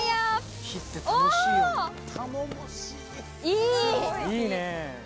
いいねぇ！